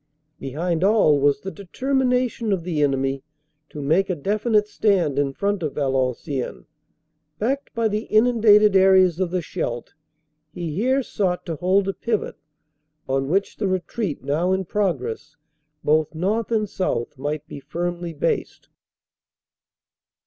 Behind all was the determination of the enemy to make a definite stand in front of Valenciennes. Backed by the inundated areas of the Scheldt, he here sought to hold a pivot on which the retreat now in progress both north and south might be firmly based.